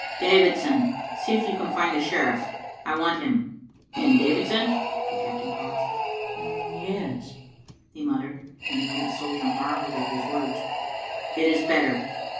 Davidson, see if you can find the sherifE. I want him. And Davidson " The captain paused. ''Yes," he muttered, and the old soldier marvelled at his words, "it is better.